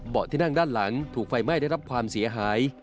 ที่นั่งด้านหลังถูกไฟไหม้ได้รับความเสียหาย